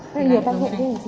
cái này nhiều phân hữu chứ